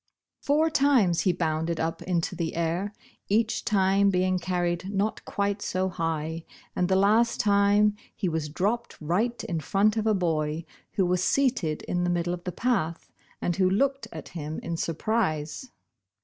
Four times he bounded up into i8 Bosh Bosh Oil. the air, each time being carried not quite so high, and the last time he was dropped right in front of a boy who was seated in the middle of the In*^ p'fl'P' ///^^ ^Tr' ^) path, and who looked at him in surprise.